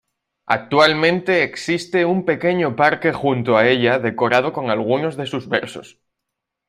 Actualmente existe un pequeño parque junto a ella decorado con algunos de sus versos.